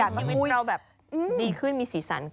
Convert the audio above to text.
ชีวิตเราแบบดีขึ้นมีศีรษรันขึ้น